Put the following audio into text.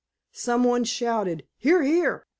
Someone shouted, "Hear, hear!"